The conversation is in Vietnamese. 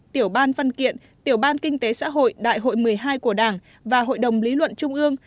tiểu ban văn kiện tiểu ban kinh tế xã hội đại hội một mươi hai của đảng và hội đồng lý luận trung ương